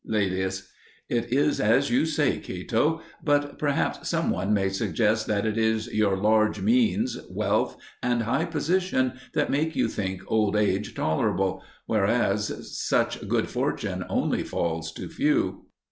Laelius It is as you say, Cato. But perhaps some one may suggest that it is your large means, wealth, and high position that make you think old age tolerable: whereas such good fortune only falls to few.